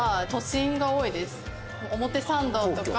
表参道とか。